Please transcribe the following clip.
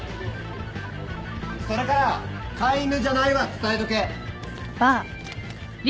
それから「飼い犬じゃない」は伝えとけ。